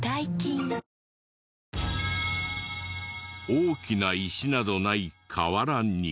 大きな石などない河原に。